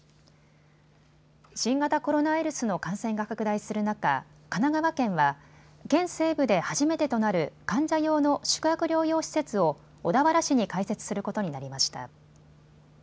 新型コロナウイルスの感染が拡大する中、神奈川県は県西部で初めてとなる患者用の宿泊療養施設を小田原市に開設することになりました。